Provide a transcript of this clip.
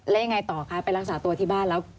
แล้วยังไงต่อคะไปรักษาตัวที่บ้านแล้ว